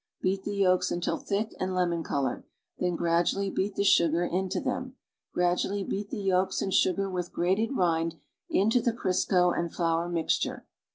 Beat the yolks until thick and lemon colored, then gradually beat the sugar into them. Gradually beat the yolks and sugar with grated rind into the Crisco and Hour mixture.